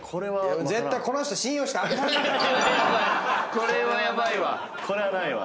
これはヤバいわ。